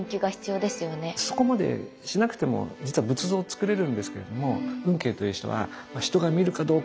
そこまでしなくても実は仏像をつくれるんですけれども運慶という人は人が見るかどうか分からない